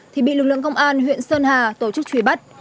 thì bị lực lượng công an huyện sơn hà tổ chức truy bắt